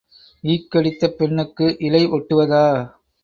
ஈக் கடித்த பெண்ணுக்கு இழை ஒட்டுவதா?